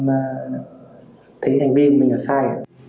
cộng đồng em thấy anh binh mình là sai